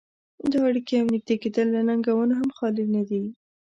دا اړيکې او نږدې کېدل له ننګونو هم خالي نه دي.